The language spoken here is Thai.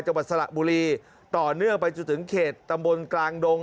จังหวัดสระบุรีต่อเนื่องไปจนถึงเขตตำบลกลางดง